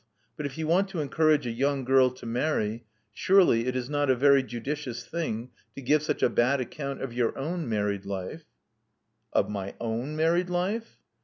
But if you want to encourage a young girl to marry, surely it is not a very judicious thing to give such a bad account of your own married life " '*Of my own married life?"